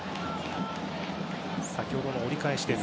先ほどの折り返し。